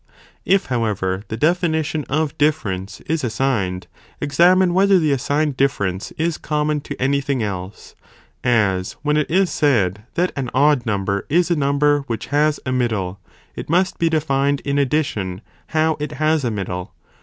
ΤΕ however the definition of difference is assigned, examine whether the assigned difference is com mon to any thing else, as when it is said that an odd number is a number which has a middle, it must be defined in addition, how it has a middle.